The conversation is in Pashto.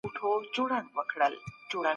دولت د بازار څارنه کوي.